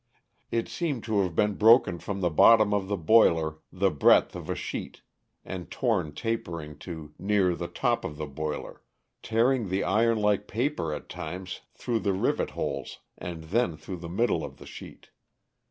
It seemed to have been broken from the bottom of the boiler the breadth of a sheet and torn tapering to near the top of the boiler, tearing the iron like paper, at times through the rivet holes and then through the middle of the sheet.